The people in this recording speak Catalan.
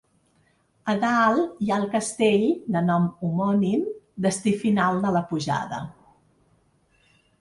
A dalt, hi ha el castell de nom homònim, destí final de la pujada.